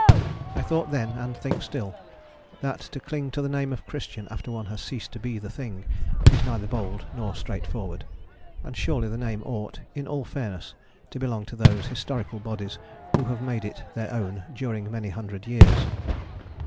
I thought then, and think still, that to cling to the name of Christian after one has ceased to be the thing is neither bold nor straightforward, and surely the name ought, in all fairness, to belong to those historical bodies who have made it their own during many hundred years.